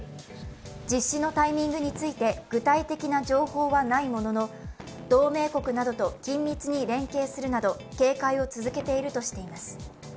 実施のタイミングについて具体的な情報はないものの、同盟国となどと緊密に連携するなど警戒を続けているとしています。